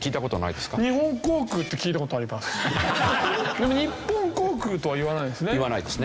でもニッポン航空とは言わないですね。